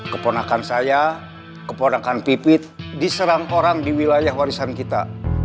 keponakan saya keponakan pipit diserang orang di wilayah warisan kita